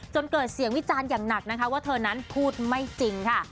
เกิดเสียงวิจารณ์อย่างหนักนะคะว่าเธอนั้นพูดไม่จริงค่ะ